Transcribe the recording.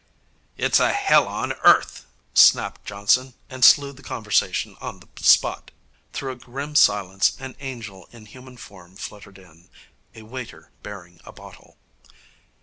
'It's a hell on earth,' snapped Johnson, and slew the conversation on the spot. Through a grim silence an angel in human form fluttered in a waiter bearing a bottle.